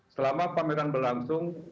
selama pameran berlangsung